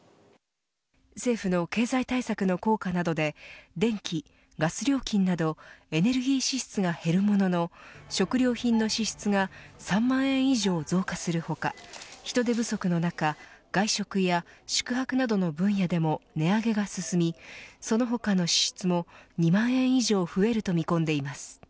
政府の経済対策の効果などで電気・ガス料金などエネルギー支出が減るものの食料品の支出が３万円以上増加する他人手不足の中、外食や宿泊などの分野でも値上げが進みその他の支出も２万円以上増えると見込んでいます。